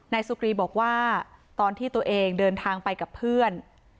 สุกรีบอกว่าตอนที่ตัวเองเดินทางไปกับเพื่อน